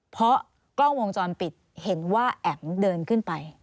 เพราะกล้องวงจรปิดเห็นว่าแอ๋มเดินขึ้นไป